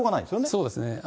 そうですね。